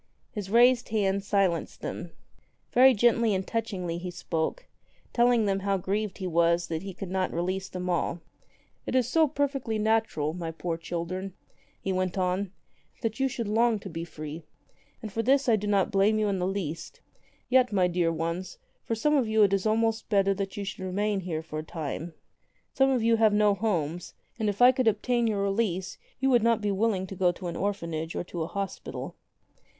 His raised hand silenced them. Very gently and touchingly he spoke, telling them how grieved he was that he could not release them all. "It is so perfectly natural, my poor children," he went on, "that you should long to be free. And for this I do not blame you in the least. Yet, my dear ones, for some of you it is almost better that you should remain here for a time. Some of you have no homes, and if I could obtain your release you would not be willing to go to an orphanage or to a hospital."